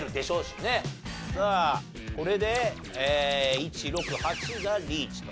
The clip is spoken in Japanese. さあこれで１６８がリーチと。